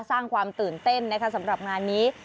สร้างความตื่นเต้นนะคะสำหรับงานนี้